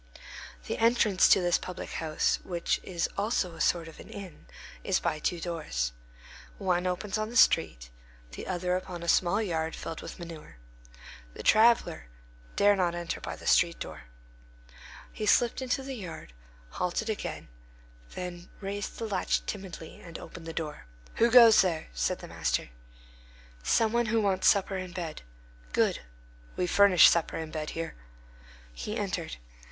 The entrance to this public house, which is also a sort of an inn, is by two doors. One opens on the street, the other upon a small yard filled with manure. The traveller dare not enter by the street door. He slipped into the yard, halted again, then raised the latch timidly and opened the door. "Who goes there?" said the master. "Some one who wants supper and bed." "Good. We furnish supper and bed here." He entered.